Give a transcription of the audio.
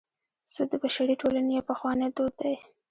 سود د بشري ټولنې یو پخوانی دود دی